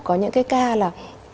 có những cái ca là